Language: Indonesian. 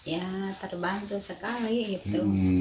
ya terbantu sekali itu